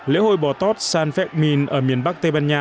lễ hội bò tót san fesmin ở miền bắc tây ban nha